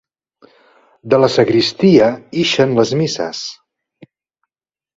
De la sagristia ixen les misses.